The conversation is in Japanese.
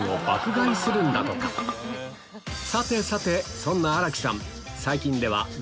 さてさてそんな新木さん